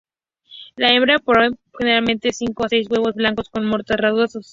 La hembra pone generalmente cinco o seis huevos blancos con motas rosadas.